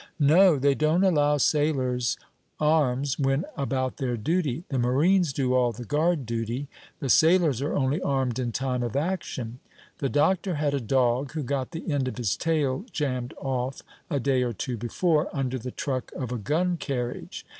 "No; they don't allow sailors arms when about their duty; the marines do all the guard duty; the sailors are only armed in time of action. The doctor had a dog, who got the end of his tail jammed off a day or two before, under the truck of a gun carriage.